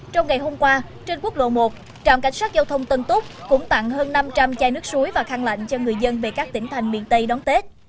trong ngày hôm qua trên quốc lộ một trạm cảnh sát giao thông tân túc cũng tặng hơn năm trăm linh chai nước suối và khăn lạnh cho người dân về các tỉnh thành miền tây đón tết